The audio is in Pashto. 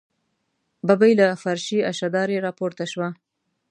ببۍ له فرشي اشدارې راپورته شوه.